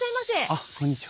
あっこんにちは。